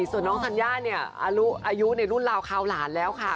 ส่วนน้องธัญญาเนี่ยอายุในรุ่นราวคราวหลานแล้วค่ะ